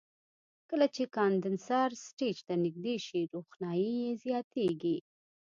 کله چې کاندنسر سټیج ته نږدې شي روښنایي یې زیاتیږي.